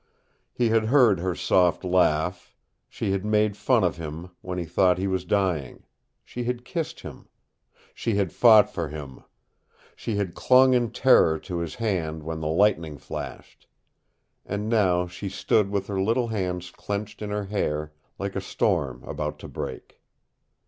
He had heard her soft laugh, she had made fun of him when he thought he was dying; she had kissed him, she had fought for him, she had clung in terror to his hand when the lightning flashed; and now she stood with her little hands clenched in her hair, like a storm about to break.